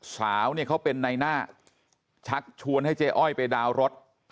สาวเนี่ยเขาเป็นในหน้าชักชวนให้เจ๊อ้อยไปดาวน์รถ